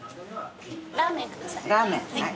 ラーメン下さい。